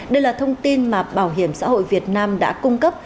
đây là thông tin mà bảo hiểm xã hội việt nam đã cung cấp